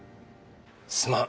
すまん。